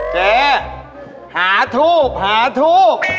เจ๊หาทูบหาทูบ